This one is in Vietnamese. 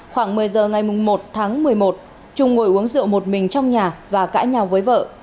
khoảng một mươi giờ ngày một tháng một mươi một trung ngồi uống rượu một mình trong nhà và cãi nhau với vợ